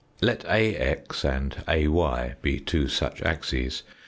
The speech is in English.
Let AX and AY be two such axes.